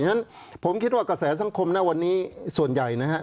เพราะฉะนั้นผมคิดว่ากระแสสังคมณวันนี้ส่วนใหญ่นะครับ